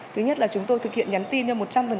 thứ nhất là chúng tôi thực hiện nhắn tin